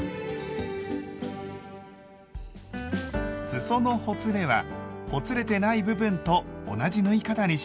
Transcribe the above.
すそのほつれはほつれてない部分と同じ縫い方にします。